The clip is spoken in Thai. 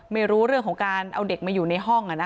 ไม่รู้เรื่องของการเอาเด็กมาอยู่ในห้อง